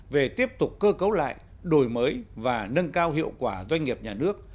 về tiếp tục cơ cấu lại đổi mới và nâng cao hiệu quả doanh nghiệp nhà nước